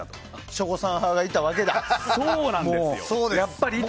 省吾さん派がいたわけだ。